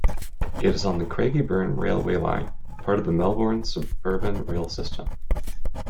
It is on the Craigieburn railway line, part of the Melbourne suburban rail system.